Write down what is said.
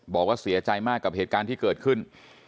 บอกว่าเสียใจมากกับเหตุการณ์ที่เกิดขึ้น